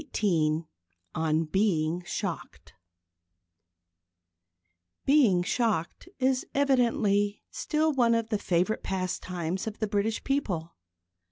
XVIII ON BEING SHOCKED Being shocked is evidently still one of the favourite pastimes of the British people.